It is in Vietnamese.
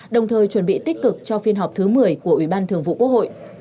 đồng thời chuẩn bị tích cực cho phiên họp thứ một mươi của ủy ban thường vụ quốc hội